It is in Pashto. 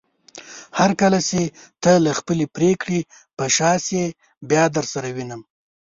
هرکله چې ته له خپلې پریکړې په شا شې بيا درسره وينم